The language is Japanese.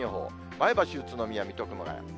前橋、宇都宮、水戸、熊谷。